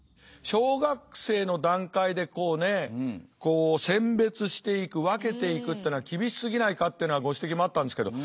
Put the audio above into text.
小学生の段階でこうね選別していく分けていくっていうのは厳しすぎないかっていうようなご指摘もあったんですけど。